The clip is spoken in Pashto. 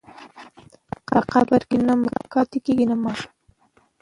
په قبر کې نه مقام پاتې کېږي نه مال.